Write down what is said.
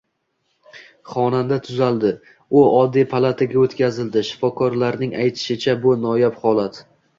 Xonanda tuzaldi, u oddiy palataga o‘tkazildi. Shifokorlarning aytishicha, bu noyob holat